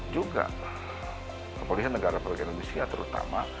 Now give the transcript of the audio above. juga kepolisian negara bagian indonesia terutama